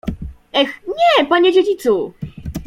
— Eh, nie, panie dziedzicu!